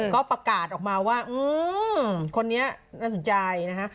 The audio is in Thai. ก็ประกาศออกมาว่าคนนี้น่าสนใจนะฮะ